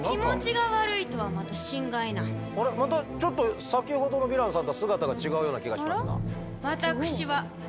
またちょっと先ほどのヴィランさんとは姿が違うような気がしますが。